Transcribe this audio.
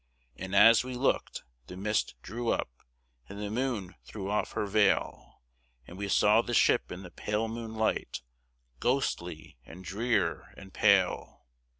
And as we looked, the mist drew up And the moon threw off her veil, And we saw the ship in the pale moonlight, Ghostly and drear and pale.